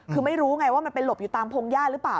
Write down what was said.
คือไม่รู้ไงว่ามันไปหลบอยู่ตามพงหญ้าหรือเปล่า